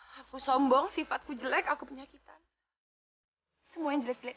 hari sabtu kamu temenin aku ya